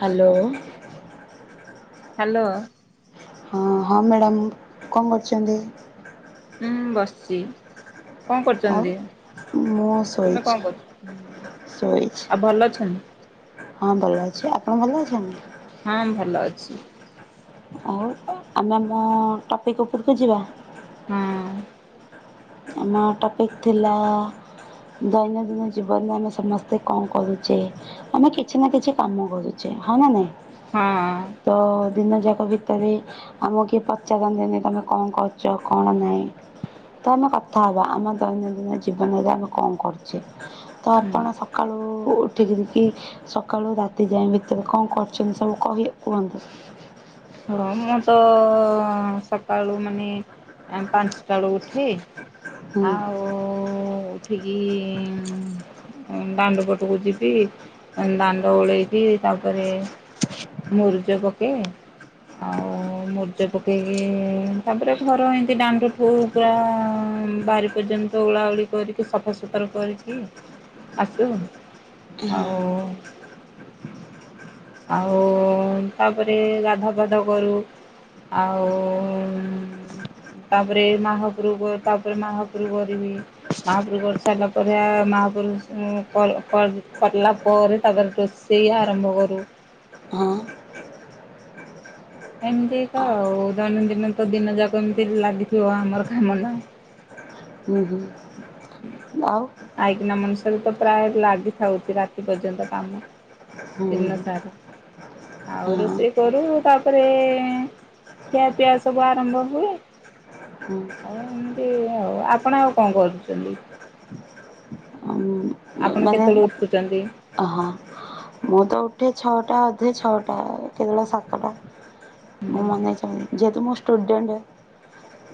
Hello hello ହଁ ହଁ madam କଣ କରୁଛନ୍ତି। ଉଁ ବସିଛି। କଣ କରୁଛନ୍ତି? ଆଉ ମୁଁ ତୁମେ କଣ ଶୋଇଛି କରୁଛ? ଆଉ ଭଲ ଅଛନ୍ତି? ଶୋଇଛି ହଁ ଭଲ ଅଛି। ଆପଣ ଭଲ ଅଛନ୍ତି। ଛି। ଆଉ ଆମେ ଆମ ଟପିକ ଉପରକୁ ଯିବା। ହଁ। ଆମ ଟପିକ ଥିଲା ଦୈନନ୍ଦିନ ଜୀବନରେ ଆମେ ସମସ୍ତେ କଣ କରୁଛେ ଆମେ କିଛି ନା କିଛି କାମ କରୁଛେ ହଁ ନା ନାଇଁ। ହଁ। ତ ଦିନ ଯାକ ଭିତରେ ଆମକୁ କିଏ ପଚାରନ୍ତିନି ତମେ କଣ କରୁଛ କଣ ନାହିଁ ତ ଆମେ କଥା କଥା ହବା ଆମ ଦୈନନ୍ଦିନ ଜୀବନରେ ଆମେ କଣ କରୁଛେ ତ ହୁଁ ଆପଣ ସକାଳୁ ଉଠିକି ସକାଳୁ ରାତି ଯାଇଏ ଭିତରେ କଣ କରୁଛନ୍ତି ସବୁ କହିଲେ କୁହନ୍ତୁ ହଁ ମୁଁ ତ ସକାଳୁ ମାନେ ଆ ପାଞ୍ଚଟା ବେଳକୁ ଉଠି ହେ ହୁଁ ଆଉ ଉଠିକି ମଁ ଦାଣ୍ଡ ପଟକୁ ଯିବି ଦାଣ୍ଡ ଓଳେଇକି ତାପରେ ମୁରୁଜ ପକେଇ ଆଉ ମରୁଜ ପକେଇକି ତାପରେ ଘର ଏଇତି ଡାଣ୍ଡ ଠୁ ପୁରା ବାରି ପର୍ଯ୍ୟନ୍ତ ଓଳା ଓଳି କରିକି ସଫାସୁତୁରା କରିକି ଆସୁ ଆଉ ଆଉ ତାପରେ ଗାଧୁଆ ପାଧୁଆ କରୁ ଆଉ ତାପରେ ମହାପ୍ରଭୁ କରି ତାପରେ ମହାପ୍ରଭୁ କରିବି ମହାପ୍ରଭୁ କରିସାରିଲା ପରେ ମହାପ୍ରଭୁ କ କଲା କରିଲା ପରେ ତାପରେ ରୋଷେଇ ଆରମ୍ଭ କରୁ ହଁ ଏମିତି ତଉ ଦୈନନ୍ଦିନ ତ ଦିନ ଯାକ ଏମିତି ଲାଗିଥିବ ଆମର କାମ ନା ହୁଁ ଆଉ ଆଇକିନା ମଣିଷରେ ତ ପ୍ରାୟ ଲାଗିଥାଉଛି ରାତି ପର୍ଯ୍ୟନ୍ତ କାମ ହୁଁ ହୁଁ ଦିନସାରା ଆଉ ହଁ ରୋଷେଇ କରୁ ତାପରେ ଖିଆପିଆ ସବୁ ଆରମ୍ଭ ହୁଏ ହୁଁ ଆଉ ଏମିତି ଆଉ ଆପଣ ଆଉ କଣ କରୁଛନ୍ତି ଆପଣ ମାନେ କେତେବେଳେ ଉଠୁଛନ୍ତି ହଁ ମୁଁ ତ ଉଠେ ଛଅଟା ଅଧେ ଛଅଟା କେତେବେଳେ ସାତଟା ମୁଁ ହୁଁ ମନେ ଚା ଯେହେତୁ ମୁଁ ଷ୍ଟୁଡେଣ୍ଟେ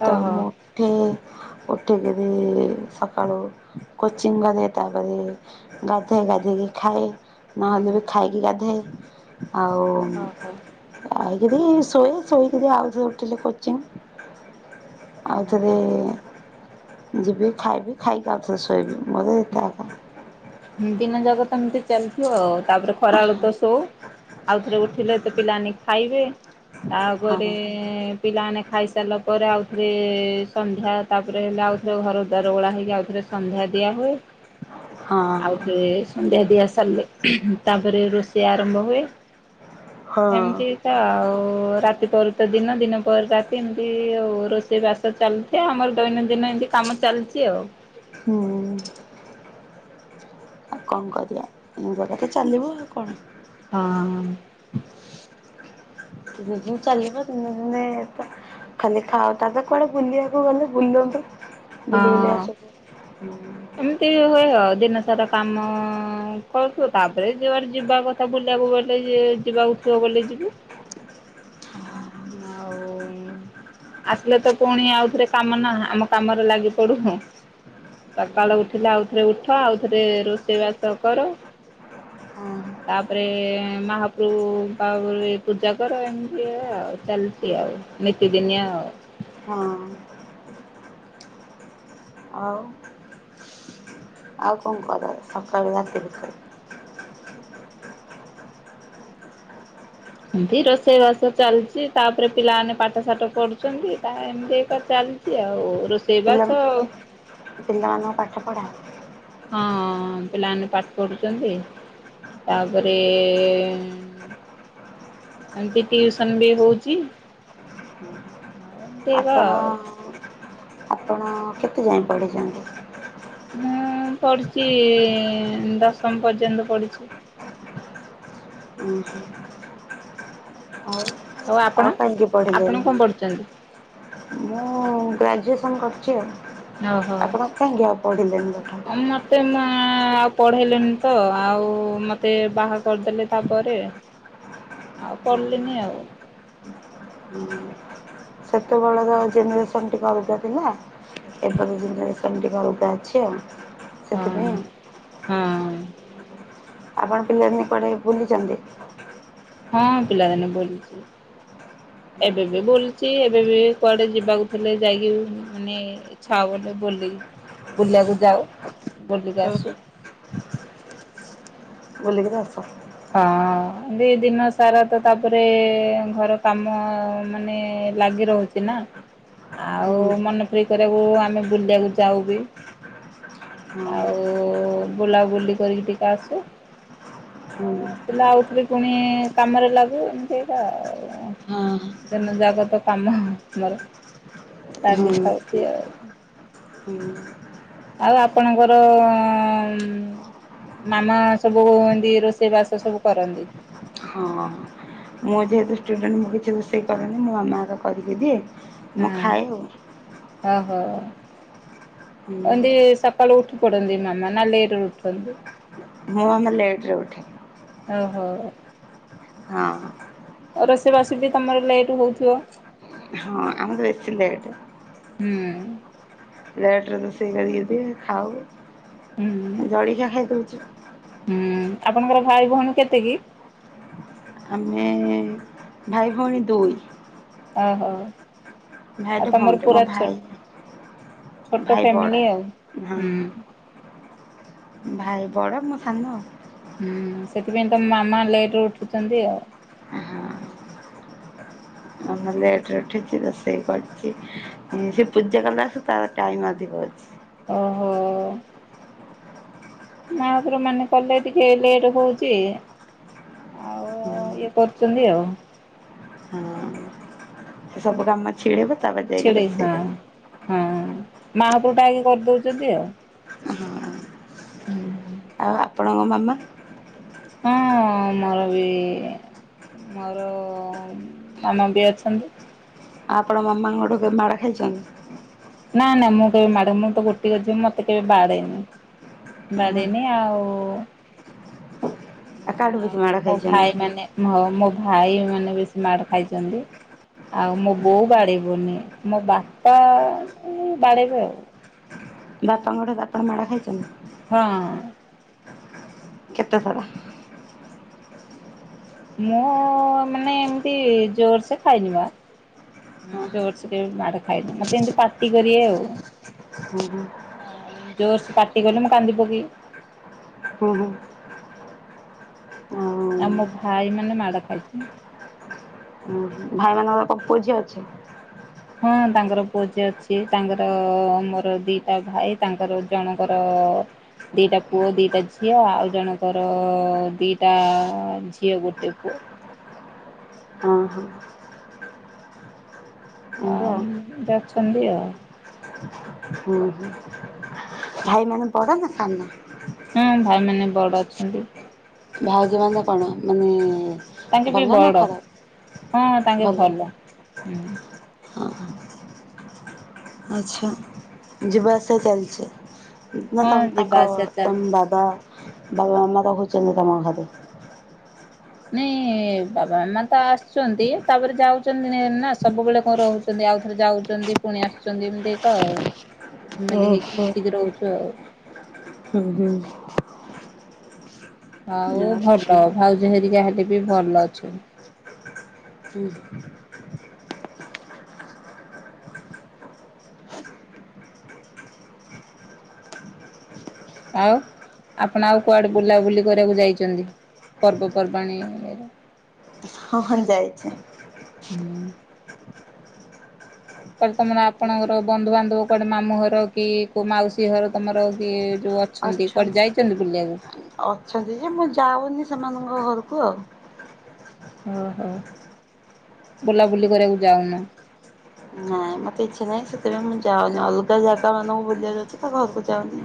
ତ ଓହୋ ମୋଠେ ଉଠିକରି ସକାଳୁ କୋଚିଂ କରେ ତାପରେ ଗାଧୋଇ ଗାଧେଇକି ଖାଏ ନହେଲେ ବି ଖାଇକି ଗାଧାଏ ଆଉ ଓହୋ ଆ କିି ଶୋଇ ଶୋଇକି ଆଉଥରେ ଉଠିଲେ କରୁଛି ଆଉ ଯଦି ହୁଁ। ଯିବି ଖାଇବି ଖାଇକି ଆଉଥରେ ଶୋଇବି ମଦେଇ ଟକ [unintelligible] ଦିନ ଯାକ ତ ଏମିତି ଚାଲିଥିବ ଆଉ ତାପରେ ଖରାବେଳୁ ତ ଶୋଉ ଆଉଥରେ ଉଠିଲେ ତ ପିଲାନି ଖାଇବେ ହଁ ତାପରେଁ ପିଲାମାନେ ଖାଇସାରିଲା ପରେ ଆଉଥରେ ସନ୍ଧ୍ୟା ତାପରେ ହେଲେ ଆଉଥରେ ଘର ଦ୍ୱାର ଓଳା ହୋଇଇକି ଆଉଥରେ ସନ୍ଧ୍ୟା ଦିଆହୁୁଏ ହଁ ଆଉଥରେ ସନ୍ଧ୍ୟା ଦିଆ ସାରିଲେ ତାପରେ ରୋଷେଇ ଆରମ୍ଭ ହୁଏ ହଁ ଏମିତି ତ ଆଉ ରାତି ପରେ ତ ଦିନ ଦିନ ପରେ ରାତି ଏମିତି ଆଉ ରୋଷେଇ ବାସ ଚାଲିଥାଏ ଆମର ଦୈନନ୍ଦିନ ଏମିତି କାମ ଚାଲିଛି ଆଉ ହୁଁ ଆଉ କଣ କରିବା ଏଇ ଜାଗାରେ ଚାଲିବ ଆଉ କଣ ହଁ ଦତିନି [unintelligible] ଦିନ ଚାଲିବ ଦିନେ ଦିନେ ତ ଖାଲି ଖାଅ ତାପରେ କୁଆଡେ ବୁଲିବାକୁ ଗଲେ ବୁଲନ୍ତୁ ବୁଲି ବୁଲି ହଁ ଆସୁଛ ଏମିତି ହୁଏ ହ ଦିନ ସାରା କାମଁ କରୁଥିବ ତାପରେ ଯୁଆଡେ ଯିବା କଥା ବୁଲିବାକୁ ଗଲେ ଯିବାକୁ ଥିବ ବୋଲି ଯିବୁ ଆଉ ଆସିଲେ ତ ପୁଣି ଆଉଥରେ କାମ ନା ଆମ କାମରେ ଲାଗି ପଡୁନ ସକାଳ ଉଠିଲେ ଆଉଥରେ ଉଠ ଆଉ ଥରେ ରୋଷେଇ ବାସ କର ହଁ ତାପରେ ମହାପ୍ରଭୁ ବାରେ ପୂଜା କର ଏମିତି ହୁଏ ଆଉ ଚାଲଛି ଆଉ ନିତିଦିନିଆ ଆଉ ହଁ। ଆଉ ଆଉ କଣ କରନ୍ତି ସକାଳୁ ରାତି ଭିତରେ ଏମତି ରୋଷେଇ ବାସ ଚାଲିଛି ତାପରେ ପିଲାମାନେ ପାଠ ସାାଠ ପଢୁଛନ୍ତି ତା ଏମିତି ଏକ ଚାଲିଛି ଆଉ ରୋଷ ପିଲ ପିଲାମାନଙ୍କ ପା କପଡ଼ା ହଁ ପିଲାମାନେ ପାଠ ପଢୁଛନ୍ତି ତାପରେ ଏମତିସନ ବି ହଉଛି ଆଉ ସେଗ ଆ ଆପଣ ଆପଣ କେତେ ଯାଏ ପଢ଼ିଛନ୍ତି। ମୁଁ ପଢ଼ିଛି ଦଶମ ପର୍ଯ୍ୟନ୍ତ ପଢ଼ିଛି। ହୁ ହ ଆଉ ଆପଣ କାହିଁକି ପଢ଼ିଲେନି? ଆପଣ କଣ ପଢୁଛନ୍ତି। ମୁଁ ଗ୍ରାଜୁଏସନ୍ କରିଛି ଆଉ ଓହୋ ଆପଣ ପାଇଁ ଗ ପଢ଼ିଲନ ଦେଥା ମତେ ମା ଆଉ ପଢେଇଲିଣିି ତ ଆଉ ମତେ ବାହା କରିଦେଲେ ତାପରେ ଆଉ ପଢିଲିନି ଆଉ ସେତେବେଳର ଜେନେରେସନ ଟିକେ ଅଲଗା ଥିଲା ଏବେ ଜେନେସନ ଟିକେ ଅଲଗା ଅଛି ଆଉ ସେଥିପାଇଁ ହଁ ହଁ ଆପଣ ପିଲା ନ ପଡେଇ ବୁଲିଛନ୍ତି। ହଁ ପିଲାଦିନ ବୁଲଛି ଏବେ ବି ବୁଲୁଛି ଏବେ ବି କୁଆଡେ ଯିବାକୁ ଥିଲେ ଯାଇକି ମାନେ ଇଛା ବ ବୁଲି ବୁଲିବାକୁ ଯାଉ ବୋଲିଗ ହଁ। ଆସୁ ବଲିିକି ଦସ ହଁ ଦିନ ସାରା ତ ତାପରେ ଘର କାମ ମାନେ ଲାଗି ରହୁଛି ନା ଆଉ ହୁଁ ମନପିତ କରିବାକୁ ଆମେ ବୁଲିବାକୁ ଯାଉ ବି ହଁ ଆଉ ବୁଲାବୁଲି କରିକି ଟିକେ ଆସୁ ଆଉ ହୁଁ। ଆସିଲା ଆଉଥି ପୁଣି କାମରେ ଲାଗୁ ଏମିତି ଆଉ ହଁ। ଦିନ ଜାଗତ କାମ ମମର ହୁଁ ଲାଗିଥାଉଛି ଆଉ ହୁଁ ଆଉ ଆପଣଙ୍କର ମାମା ସବୁ କ ଏନ୍ତି ରୋଷେଇ ବାସ ସବୁ କରନ୍ତି। ହଁ। ମୁଁ ଯେହେତୁୁଡଣ୍ଟ ମୁ କିଛି ସେହି କଣ ମୁଁ ଆ ମାର କରିକି ଦିଏ। ମୁ ଖାଇଉ ଓ ହୋ ଅ ସକାଳ ଉଠ କଡ଼ନ୍ତିି ମାମା ନା ଲ ଏଟ ଉଟନ୍ତି। ମୁଁ ଆମେ ଲେଟ ରେ ଉଠେ ଓ ହୋଉ ହଁ। ରୋଷେଇବାସ ବି ତମର ଲେଟ ହଉଥିବ ଆମେ ବେଶି ଲେଟ ହୁଁ ସେଟରେ ତ ସେ କରି ଦେଇ ହୁଁ ଖାଉ ଜଳଖିଆ ଖାଇଦଉଚୁ ହୁଁ ଆପଣଙ୍କର ଭାଇ ଭଉଣୀ କେତେ କିି ଆମେ ଭାଇ ଭଉଣୀ ଦଇ ଓ ହୋ ଆଉ ତମର ଭଉଣୀଟେ ମୋ ପୁରା ଭାଇ ଛୋଟ ଭାଇ ବଡ଼ ଫ୍ୟାମିଲି ଆଉ ହଁ ଭାଇ ବଡ ମୁଁ ସାନ। ହୁଁ ସେଥିପାଇଁ ତ ମାମା ଲେଟ ଉଠୁଛନ୍ତି ଆଉ। ମାମା ଲେଟରେ ଉଠିଛି ରୋଷେଇ କରିଛି ସେ ପୂଜା କଲା ତାର ଟାଇମ ଅଧିକ ଅଛି। ଓହୋ। ମାହାପୁର ମାନେ କଲେ ଟିକେ ଲେଟ ହଉଛି ଆଉ ଇଏ କରୁଛନ୍ତି ଆଉ। ହଁ ସବୁ କାମ ଛିଡେଇବେ। ଛଡ଼େଇ ହଁ ହଁ। ମାହାପ୍ରଭ ଟା ଆକି କରିଦଉଛନ୍ତି ଆଉ ହୁଁ। ଆଉ ଆପଣଙ୍କ ମାମା? ହଁ ମୋର ବି ମୋର ମାମା ବି ଅଛନ୍ତି। ଆପଣ ମାମାଙ୍କ ଠୁ କେବେ ମାଡ ଖାଇଛନ୍ତି? ନା ନା ମୁଁ କେବେ ମାଡ ମୁଁ ତ ଗୋଟିଏ ଝିଅ ମତେ କେବେ ବାଡ଼େଇନି ହଁ ବାଡ଼େଇନି ଆଉ। କାହାଠୁ ବେଶୀ ଆଉ ମାଡ଼ ମୋ ଖାଇଛନ୍ତି? ଭାଇ ମାନେ ମୋ ମୋ ଭାଇ ମାନେ ବେଶୀ ମାଡ ଖାଇଛନ୍ତି ଆଉ ମୋ ବୋଉ ବାଡ଼େଇବନି ମୋ ବାପା ବାଡ଼େଇବେ ଆଉ। ବାପାଙ୍କ ଠାରୁ ଆପଣ ମାଡ ଖାଇଛନ୍ତି? ହଁ। କେତେ ଥର? ମୁଁ ମାନେ ଏମତି ଜୋରସେ ଖାଇନି ବା ହଁ ଜୋରସେ କେବେ ମାଡ ଖାଇନି ମତେ ଏମିତି ପାଟି କରିବେ ଆଉ। ହଁ ନାଇଁ। ଜୋର ସେ ପାଟିକଲେ ମୁଁ କାନ୍ଦି ପକେଇବି। ହଁ ହଁ ଆଉ ମୋ ଭାଇ ମାନେ ମାଡ ଖାଇଛନ୍ତି। ହୁଁ ଭାଇମାନଙ୍କର କଣ ପୁଅ ଝିଅ ଅଛି। ହଁ ତାଙ୍କର ପୁଅଝିଅ ଅଛି ତାଙ୍କର ମୋର ଦିଟା ଭାଇ ତାଙ୍କର ଜଣଙ୍କର ଦିଟା ପୁଅ ଦିଟା ଝିଅ ଆଉ ଜଣଙ୍କର ଦିଟା ଝିଅ ଗୋଟେ ପୁଅ। ହଁ ହଁ ଏମିତି ଆଉ ଆମ ଏମିତି ଅଛନ୍ତି ଆଉ। ଭାଇ ମାନେ ବଡ ନା ସାନ। ହୁଁ ଭାଇ ମାନେ ବଡ ଅଛନ୍ତି। ଭାଉଜମାନେ କଣ ମାନେ ତାଙ୍କେ ବି ଭଲ ନା ବଡ ଖରାପ ହଁ ତାଙ୍କେ ଭଲ। ହୁଁ ଆଛା ଯିବା ଆସିବା ଚାଲିଛି। ନା ହଁ ତମ ଯିବା ତାଙ୍କ ଆସିବା ତମ ଚାଲିଛି। ବାବା। ବାବା ମାମା ରହୁଛନ୍ତି ତମ ଘରେ। ନାଇଁ ବାବା ମାମା ତ ଆସୁଛନ୍ତି ତାପରେ ଯାଉଛନ୍ତି ନା ସବୁବେଳେ କଣ ରହୁଛନ୍ତି ଆଉଥରେ ଯାଉଛନ୍ତି ପୁଣି ଆସୁଛନ୍ତି ଏମିତି କା ଆଉ। ଫ୍ୟାମିଲୀ ହେଇକି ଓହୋ। ମିଶିକି ରହୁଛୁ ଆଉ। ହୁଁ ହୁଁ। ହଉ ଆଉ ଭଲ ଭାଉଜ ହେରିକା ହେ ଏବେ ଭଲ ଅଛ ହୁଁ। ଆଉ ଆପଣ ଆଉ କୁଆଡେ ବୁଲାବୁଲି କରିବାକୁ ଯାଇଛନ୍ତି ପର୍ବପର୍ବାଣି ଏ। ହଁ ହଁ ଯାଇଛି। ହୁଁ। କୁଆଡେ ତମର ଆପଣଙ୍କର ବନ୍ଧୁ ବାନ୍ଧବ କୁଆଡେ ମାମୁଁ ଘର କି କୋଉ ମାଉସୀ ଘର ତମର କି ଯୋଉ ଅଛନ୍ତି କୁଆଡେ ଯାଇଛନ୍ତି ବୁଲିବାକୁ? ଅଛନ୍ତି ଅଛନ୍ତି ଯେ ମୁଁ ଯାଉନି। ସେମାନଙ୍କ ଘରକୁ ଆଉ। ଓହୋ ବୁଲାବୁଲି କରିବାକୁ ଯାଉନ। ହଁ ମତେ ଇଛା ନାଇ ସେଥିପାଇଁ ମୁଁ ଯାଉନି ଅଲଗା ଜାଗା ମାନଙ୍କୁ ବୁଲ ଯାଉଛି ତା ଘରକୁ ଯାଉନି।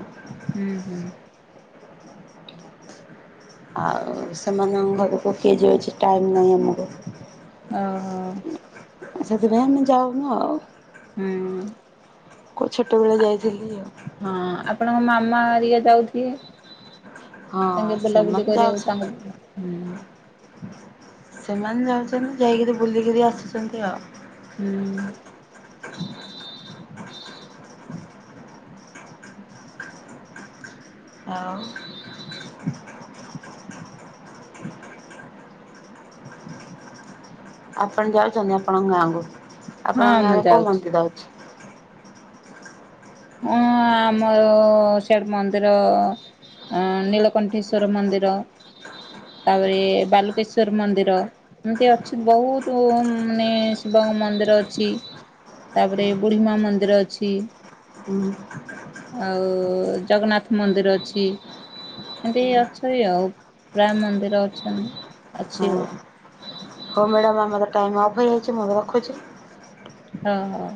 ହୁଁ ହୁଁ। ଆଉ ସେମାନଙ୍କ ଘରକୁ କିଏଜ ଅଛି ଟାଇମ୍ ନାହିଁ ଆମର। ଓ ହୋ। ଆ ସେଥିପାଇଁ ଆମେ ଯାଉନ ଆଉ। ହୁଁ। କୋଉ ଛୋଟବେଳେ ଯାଇଥିଲି। ହଁ ଆପଣଙ୍କ ମାମା ହେରୀକା ଯାଉଥେ- ହଁ ତାଙ୍କେ ବୁଲାବୁଲି ସେମାନେ କରିବାକୁ ଯାଉଛନ୍ତି ତାଙ୍କୁ ସେମାନେ ଯାଉଛନ୍ତି ଯାଇକରି ବୁଲିକରି ଆସୁଛନ୍ତି ଆଉ- ହୁଁ। ଆଉ। ଆପଣ ଯାଉଛନ୍ତି ଆପଣଙ୍କ ଗାଁକୁ? ହଁ ଆପଣଙ୍କ ମୁଁ ଗାଁରେ କୋଉ ଯାଉଛି ମନ୍ଦିର ଅଛି? ହଁ ଆମ ସେ ମନ୍ଦିର ନୀଳକଣ୍ଠେଶ୍ଵର ମନ୍ଦିର ତାପରେ ବାଲୁକେଶ୍ୱର ମନ୍ଦିର ଏମିତି ଅଛି ବହୁତ ମାନେ ଶିବଙ୍କ ମନ୍ଦିର ଅଛି ତାପରେ ବୁଢ଼ୀମା ମନ୍ଦିର ଅଛି। ହୁଁ ଆଉ ଜଗନ୍ନାଥ ମନ୍ଦିର ଅଛି ଏମିତି ଅଛି ଆଉ ପ୍ରାୟ ମନ୍ଦିର ଅଛନ୍ତି ହଁ। ଅଛି ଆଉ। ହଉ ମ୍ୟାଡ଼ାମ୍ ଆମର ଟାଇମ୍ ଅଫ୍ ହୋଇଯାଇଛି ମୁଁ ବି ରଖୁଛି। ହଁ ହଁ।